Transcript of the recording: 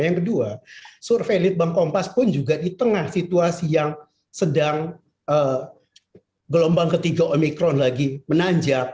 yang kedua survei litbang kompas pun juga di tengah situasi yang sedang gelombang ketiga omikron lagi menanjak